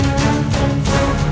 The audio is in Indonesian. perasaan semua saping kayak gini